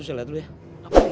saya lihat dulu ya